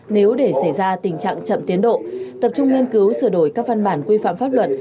nếu để xảy ra tình trạng chậm tiến độ tập trung nghiên cứu sửa đổi các văn bản quy phạm pháp luật